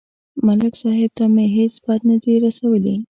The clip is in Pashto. ملک صاحب ته مې هېڅ بد نه دي رسولي